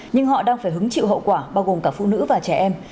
nhưng họ đang phải hứng chịu hậu quả bao gồm cả phụ nữ và trẻ em